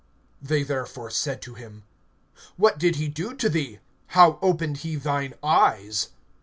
(26)They therefore said to him: What did he to thee? How opened he thine eyes?